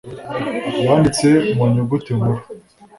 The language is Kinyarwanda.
yanditse mu nyuguti nkuru